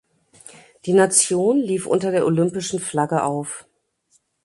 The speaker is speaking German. Die Nation lief unter der Olympischen Flagge auf.